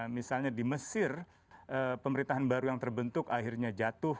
misalnya di mesir pemerintahan baru yang terbentuk akhirnya jatuh